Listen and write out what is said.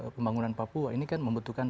pembangunan papua ini kan membutuhkan